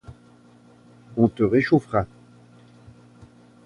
On te réchauffera.